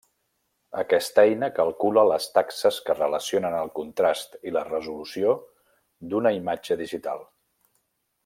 Aquesta eina calcula les taxes que relacionen el contrast i la resolució d'una imatge digital.